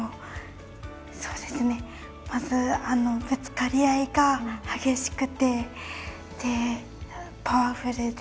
まず、ぶつかり合いが激しくてパワフルで。